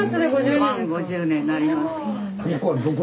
満５０年になります。